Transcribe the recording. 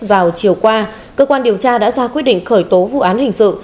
vào chiều qua cơ quan điều tra đã ra quyết định khởi tố vụ án hình sự